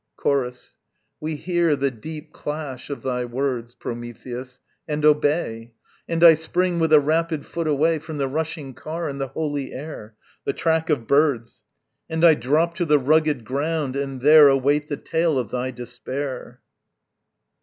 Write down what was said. Chorus. We hear the deep clash of thy words, Prometheus, and obey. And I spring with a rapid foot away From the rushing car and the holy air, The track of birds; And I drop to the rugged ground and there Await the tale of thy despair.